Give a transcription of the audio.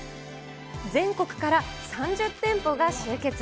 全国から３０店舗が集結。